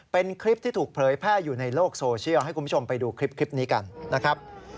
เป็นคลิปที่ถูกเผยแพร่อยู่ในโลกโซเชียลให้คุณผู้ชมไปดูคลิปนี้กันนะครับ